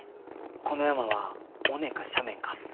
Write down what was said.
この山は尾根か斜面か。